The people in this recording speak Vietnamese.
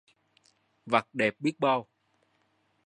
Vật đẹp biết bao!